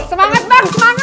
semangat bang semangat